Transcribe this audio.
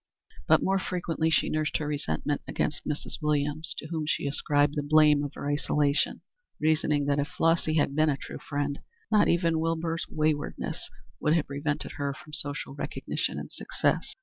But more frequently she nursed her resentment against Mrs. Williams, to whom she ascribed the blame of her isolation, reasoning that if Flossy had been a true friend, not even Wilbur's waywardness would have prevented her social recognition and success.